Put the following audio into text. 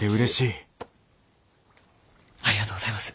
ありがとうございます。